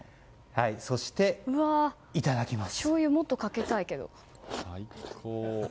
そして、いただきます。